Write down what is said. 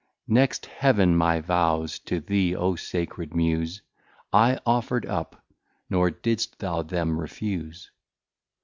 Next Heaven my Vows to thee (O Sacred Muse!) I offer'd up, nor didst thou them refuse.